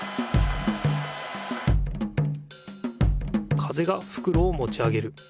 風がふくろをもち上げる。